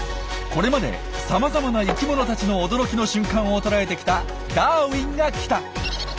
これまでさまざまな生きものたちの驚きの瞬間をとらえてきた「ダーウィンが来た！」。